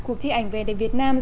cuộc thi ảnh về đất việt nam